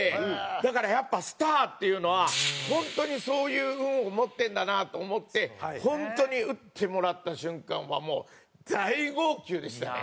だからやっぱスターっていうのは本当にそういう運を持ってるんだなと思って本当に打ってもらった瞬間はもう大号泣でしたね。